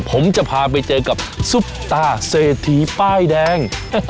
ผมจะพาไปเจอกับซุปตาเศรษฐีป้ายแดง